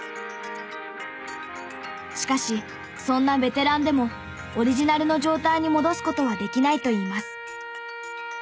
しかしそんなベテランでもオリジナルの状態に戻す事はできないといいます。